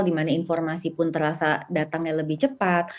dimana informasi pun terasa datangnya lebih cepat